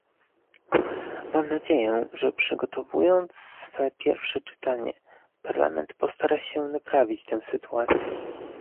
Mam nadzieję, że przygotowując swe pierwsze czytanie, Parlament postara się naprawić tę sytuację